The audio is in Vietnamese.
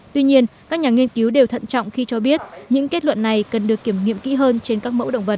tuy nhiên các nhà nghiên cứu đều thận trọng khi cho biết những kết luận này cần được kiểm nghiệm kỹ hơn trên các mẫu động vật